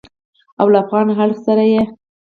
او له افغان اړخ سره یې